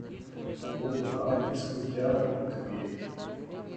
وہ بلا کس کو کیا روک گے